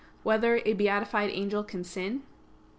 8] Whether a Beatified Angel Can Sin?